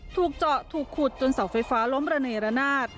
ถูกเจาะถูกขุดจนเสาไฟฟ้าล้มระเนระนาด